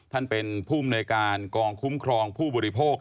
ท่านเป็นผู้มนวยการกองคุ้มครองผู้บริโภค